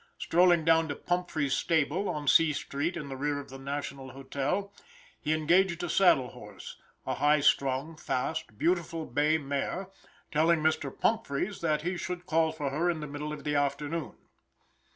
Strolling down to Pumphreys' stable, on C street, in the rear of the National Hotel, he engaged a saddle horse, a high strung, fast, beautiful bay mare, telling Mr. Pumphreys that he should call for her in the middle of the afternoon.